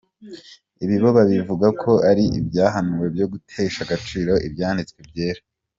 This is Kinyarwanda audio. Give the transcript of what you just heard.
ibi bo bavuga ko ari ibyahanuwe byo gutesha agaciro ibyanditswe byera.